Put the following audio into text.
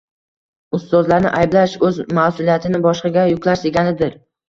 Ustozlarni ayblash o‘z mas'uliyatini boshqaga yuklash deganidir